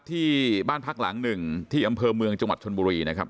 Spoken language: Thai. ที่บ้านพักหลังหนึ่งที่อำเภอเมืองจังหวัดชนบุรีนะครับ